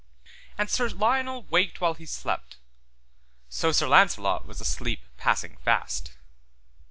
And Sir Lionel waked while he slept. So Sir Launcelot was asleep passing fast.